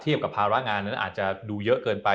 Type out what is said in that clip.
เทียบกับภาระงานก็อาจจะดูเยอะเกินไป